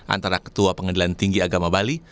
antara ketua pengadilan tinggi agama bali